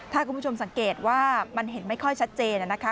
ถ้าคุณผู้ชมสังเกตว่ามันเห็นไม่ค่อยชัดเจนนะคะ